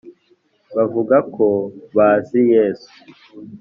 bavuga ko bazi yesu